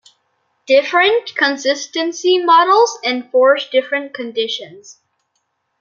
Different consistency models enforce different conditions.